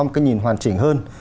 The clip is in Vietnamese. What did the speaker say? một cái nhìn hoàn chỉnh hơn